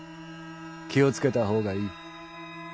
気をつけた方がいい。